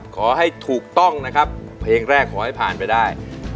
ขอให้ถูกต้องนะครับเพลงแรกขอให้ผ่านไปได้